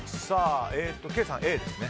ケイさん、Ａですね。